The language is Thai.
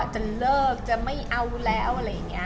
จะเลิกจะไม่เอาแล้ว